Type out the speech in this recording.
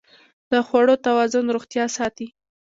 د خوړو توازن روغتیا ساتي.